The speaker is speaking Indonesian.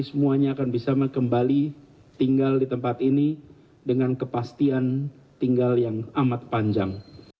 semuanya akan bisa kembali tinggal di tempat ini dengan kepastian tinggal yang amat panjang